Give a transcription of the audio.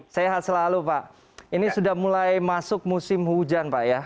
sehat selalu pak ini sudah mulai masuk musim hujan pak ya